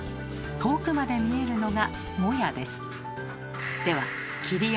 遠くまで見えるのがもやです。